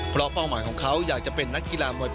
เพราะป้องหมายของเขาอยากจะเป็นเจ้านุยดีกว่าที่ผ่านมา